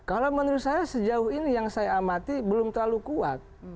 kalau menurut saya sejauh ini yang saya amati belum terlalu kuat